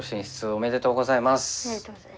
ありがとうございます。